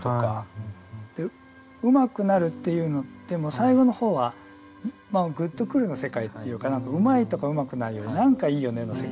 「うまくなる」っていうの最後のほうは「グッとくる」の世界っていうか何かうまいとかうまくないより「なんかいいよね」の世界がある。